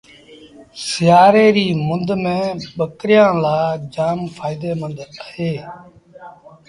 سيٚآري ريٚ مند ميݩ ٻڪريآݩ لآ جآم ڦآئيدي مند اهي